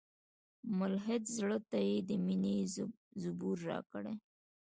ملحد زړه ته یې د میني زبور راکړی